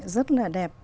rất là đẹp